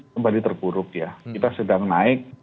kembali terburuk ya kita sedang naik